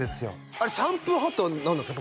あれシャンプーハットは何ですか？